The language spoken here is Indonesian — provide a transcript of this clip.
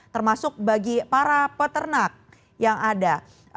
termasuk bagi para peternak yang ada